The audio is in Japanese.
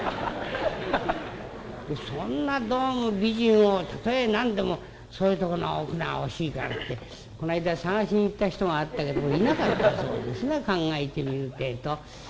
そんなどうも美人をたとえ何でもそういうとこのお札が欲しいからってこないだ探しに行った人があったけどもいなかったそうですな考えてみるってえと。